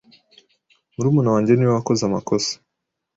Murumuna wanjye niwe wakoze amakosa.